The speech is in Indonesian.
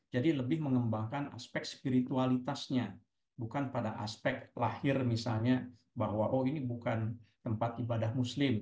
jadi lebih mengembangkan aspek spiritualitasnya bukan pada aspek lahir misalnya bahwa ini bukan tempat ibadah muslim